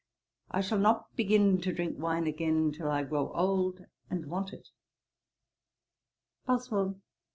I shall not begin to drink wine again, till I grow old, and want it.' BOSWELL.